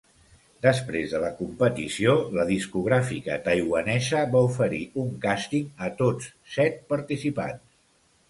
Després de la competició, la discogràfica taiwanesa va oferir un càsting a tots set participants.